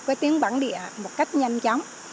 cái tiếng bản địa một cách nhanh chóng